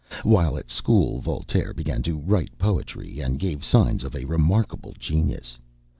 While at school, Voltaire began to write poetry, and gave signs of a remarkable genius.